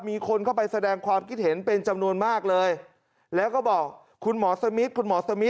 มีคนเข้าไปแสดงความคิดเห็นเป็นจำนวนมากเลยแล้วก็บอกคุณหมอสมิทคุณหมอสมิท